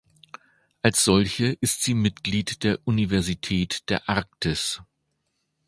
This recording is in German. Als solche ist sie Mitglied der Universität der Arktis.